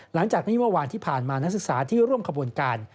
หลังจากนี้เมื่อวานที่ผ่านมานักศึกษาที่ร่วมขบวนการ